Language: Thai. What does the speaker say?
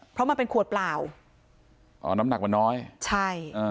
เพราะมันเป็นขวดเปล่าอ๋อน้ำหนักมันน้อยใช่อ่า